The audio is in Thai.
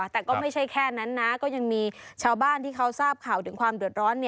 แต่ก็ไม่ใช่แค่นั้นนะก็ยังมีชาวบ้านที่เขาทราบข่าวถึงความเดือดร้อน